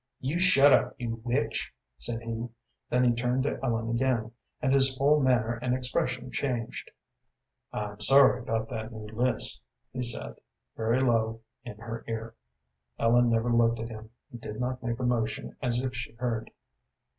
"You shut up, you witch," said he. Then he turned to Ellen again, and his whole manner and expression changed. "I'm sorry about that new list," he said, very low, in her ear. Ellen never looked at him, and did not make a motion as if she heard.